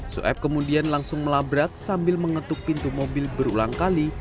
soeb kemudian langsung melabrak sambil mengetuk pintu mobil berulang kali